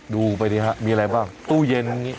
ดูไปดิฮะมีอะไรบ้างตู้เย็น